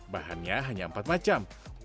bahannya hanya empat macam